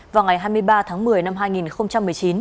vào ngày hai mươi ba tháng một mươi năm hai nghìn một mươi chín